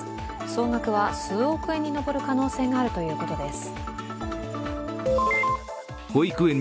総額は数億円に上る可能性があるということです。